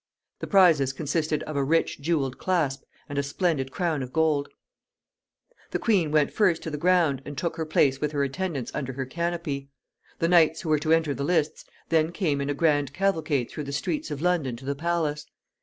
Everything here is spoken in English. The prizes consisted of a rich jeweled clasp and a splendid crown of gold. The queen went first to the ground, and took her place with her attendants under her canopy. The knights who were to enter the lists then came in a grand cavalcade through the streets of London to the palace.